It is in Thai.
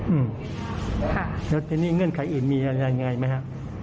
อืมค่ะแล้วทีนี้เงื่อนไขอื่นมีอะไรยังไงไหมฮะ